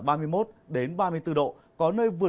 có nơi vượt ngưỡng ba mươi bốn độ và có nắng nóng cục bộ